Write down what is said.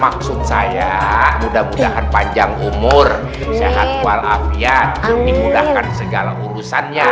maksud saya mudah mudahan panjang umur sehat walafiat dimudahkan segala urusannya